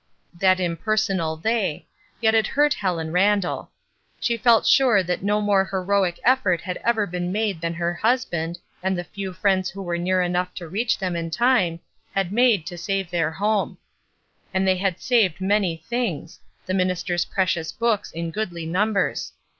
That impersonal "they"; yet it hurt Helen Randall. She felt sure that no more heroic effort had ever been made than her husband, and the few friends who were near enough to reach them in time, had made to save their home; and they had saved many things, — the minister's precious books in goodly numbers.